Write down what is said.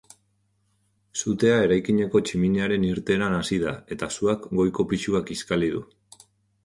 Sutea eraikineko tximiniaren irteeran hasi da, eta suak goiko pisua kiskali du.